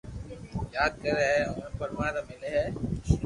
ياد ڪري ھي اوني پرماتما ملي ھي